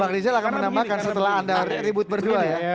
bang rizal akan menambahkan setelah anda ribut berdua ya